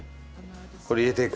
これ入れていく。